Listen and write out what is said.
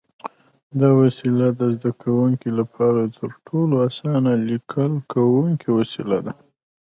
دا وسیله د زده کوونکو لپاره تر ټولو اسانه لیکل کوونکی وسیله ده.